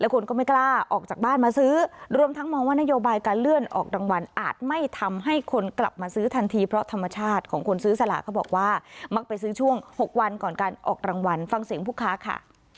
ของคนซื้อสลักเขาบอกว่ามักไปซื้อช่วง๖วันก่อนการออกรางวัลฟังเสียงผู้ค้าค่ะ